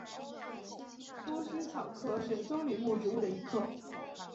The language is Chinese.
多须草科是棕榈目植物的一科。